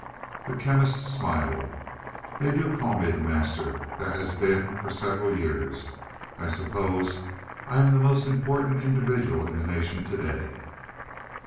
The Chemist smiled. "They do call me the Master. That has been for several years. I suppose I am the most important individual in the nation to day."